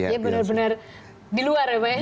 ya benar benar di luar ya pak ya